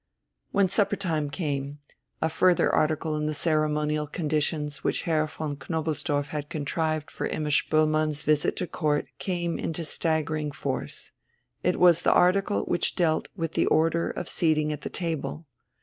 When supper time came, a further article in the ceremonial conditions which Herr von Knobelsdorff had contrived for Imma Spoelmann's visit to Court came into staggering force. It was the article which dealt with the order of seating at the table.